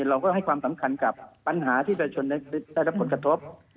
เราก็ให้ความสำคัญกับปัญหาที่ประชาชนได้รับผลกระทบ